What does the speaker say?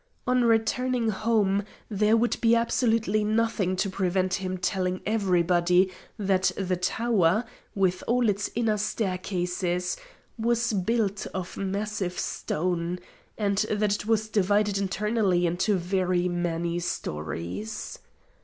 On returning home there would be absolutely nothing to prevent him telling everybody that the tower, with all its inner staircases, was built of massive stone, and that it was divided internally into very many stories.